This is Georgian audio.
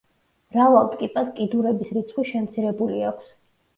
მრავალ ტკიპას კიდურების რიცხვი შემცირებული აქვს.